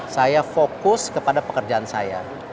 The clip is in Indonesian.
saya fokus kepada pekerjaan saya